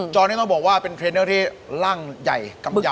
ตอนนี้ต้องบอกว่าเป็นเทรนเนอร์ที่ร่างใหญ่กำยัน